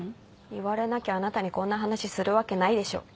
言われなきゃあなたにこんな話するわけないでしょ。